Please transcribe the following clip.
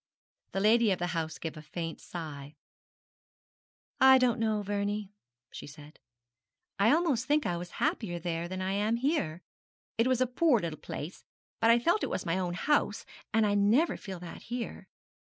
The lady of the house gave a faint sigh. 'I don't know, Vernie,' she said. 'I almost think I was happier there than I am here. It was a poor little place, but I felt it was my own house, and I never feel that here.'